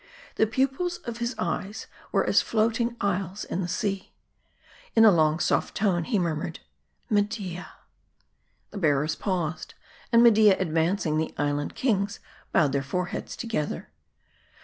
The pupils of his eyes were as floating isles in the sea. In a soft low tone he murmured Media !" The bearers paused ; and Media advancing, the Island Kings bowed their foreheads together.